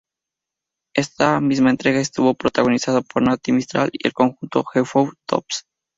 Esta entrega estuvo protagonizada por Nati Mistral y el conjunto The Four Tops.